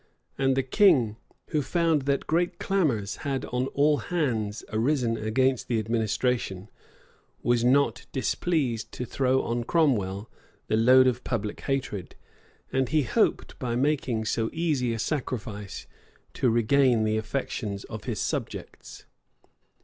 And the king, who found that great clamors had on all hands arisen against the administration, was not displeased to throw on Cromwell the load of public hatred; and he hoped, by making so easy a sacrifice, to regain the affections of his subjects.